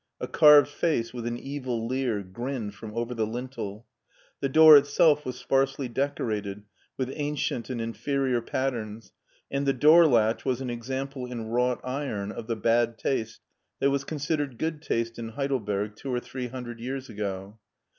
A carved face with an evil leer grinned from over the lintel. The door itself was sparsely decorated with ancient and inferior patterns and the door latch was an example in wrought iron of the bad taste that was considered good taste in Heidelberg two or three hundred years ago.